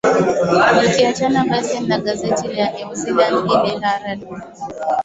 nikiachana basin na gazeti la new zealand hili herald